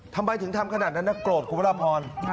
ทำไมถึงทำขนาดนั้นนะโกรธคุณพระราพร